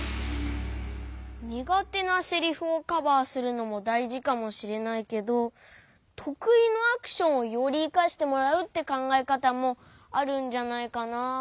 にがてなセリフをカバーするのもだいじかもしれないけどとくいのアクションをよりいかしてもらうってかんがえかたもあるんじゃないかな。